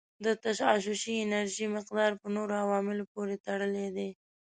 د تشعشعي انرژي مقدار په نورو عواملو پورې تړلی دی.